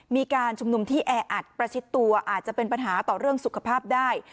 มีการชุมนุมที่แออัดประชิดตัวอาจจะเป็นปัญหาต่อเรื่องสุขภาพได้